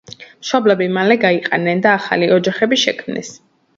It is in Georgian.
მშობლები მალე გაიყარნენ და ახალი ოჯახები შექმნეს.